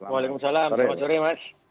waalaikumsalam selamat sore mas